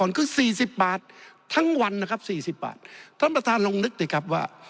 ก่อนคือ๔๐บาททั้งวันนะครับ๔๐บาทท่านประธานลองนึกดิครับว่า